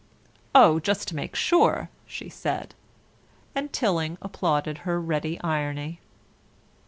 "Oh, just to make sure," she said, and Tilling applauded her ready irony.